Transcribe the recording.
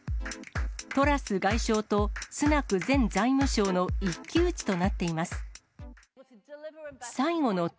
トラス外相とスナク前財務相の一騎打ちとなっています。